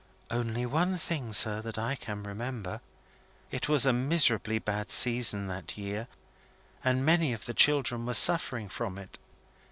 "Only one thing, sir, that I can remember. It was a miserably bad season, that year; and many of the children were suffering from it.